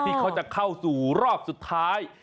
เขาจะเข้าสู่รอบสุดท้าย